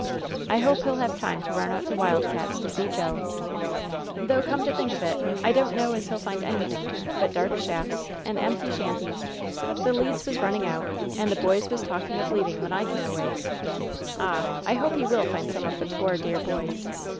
I hope he'll have time to run out to Wild Cats' to see Joe I Though, come to think of it, I don't know as he'll find anything there but dark shafts and empty LOVE'S BITTEREST CUP 157 aihanties. The leads was niiming out, and the boys was talking of leaving when I came away. Ah ! I hope he will find some of the poor, dear boys